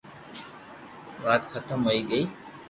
وات ختم ھوئي گئي